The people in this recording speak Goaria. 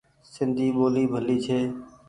سندي ٻولي ڀلي ڇي ۔